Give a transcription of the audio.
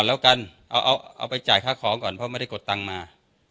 แล้วกันเอาไปจ่ายค่าของก่อนเพราะไม่ได้กดตังค์มา